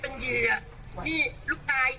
มีสิทธิ์ปกป้อง